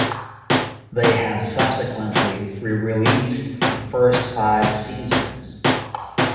They have subsequently re-released the first five seasons.